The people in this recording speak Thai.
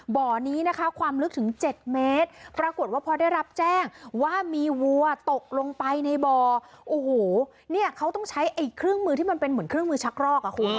บ่อนี้นะคะความลึกถึงเจ็ดเมตรปรากฏว่าพอได้รับแจ้งว่ามีวัวตกลงไปในบ่อโอ้โหเนี่ยเขาต้องใช้ไอ้เครื่องมือที่มันเป็นเหมือนเครื่องมือชักรอกอ่ะคุณ